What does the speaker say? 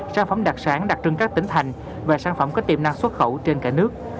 sản phẩm đặc sản đặc trưng các tỉnh thành và sản phẩm có tiềm năng xuất khẩu trên cả nước